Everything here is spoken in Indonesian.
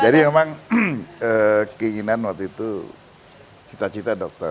jadi memang keinginan waktu itu cita cita dokter